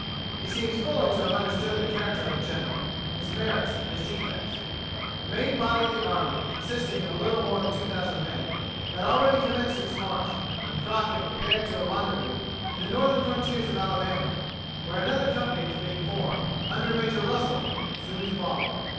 He seems fully to have understood the character of the General, his merits and his defects. The main body of the army, consisting of a little more than two thousand men, had already commenced its march, when Crockett repaired to a rendezvous, in the northern frontiers of Alabama, where another company was being formed, under Major Russel, soon to follow.